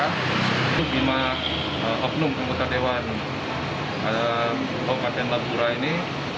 untuk lima obnum kabupaten labura ini